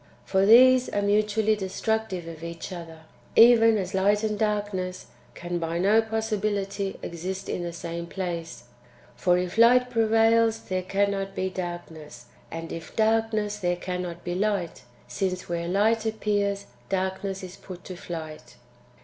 For these are mutually destructive of each other, even as light and darkness can by no possibility exist in the same place : for if light prevails, there cannot be darkness ; and if darkness, there cannot be light, since, where light appears, darkness is put to flight.